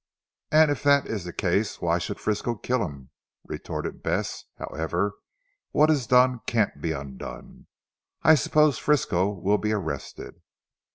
"And if that is the case why should Frisco kill him?" retorted Bess. "However what is done can't be undone. I suppose Frisco will be arrested!"